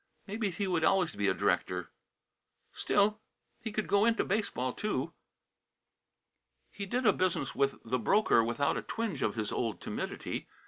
Maybe he would always be a director; still he could go into baseball, too. He did his business with the broker without a twinge of his old timidity.